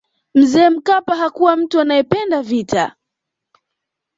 mzee mkapa hakuwa mtu anayependa vita